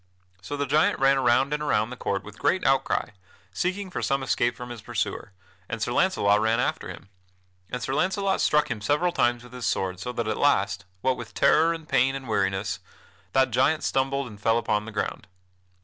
So the giant ran around and around the court with great outcry, seeking for some escape from his pursuer, and Sir Launcelot ran after him. And Sir Launcelot struck him several times with his sword, so that at last, what with terror and pain and weariness, that giant stumbled and fell upon the ground.